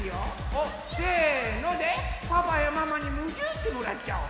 「せの！」でパパやママにムギューしてもらっちゃおう！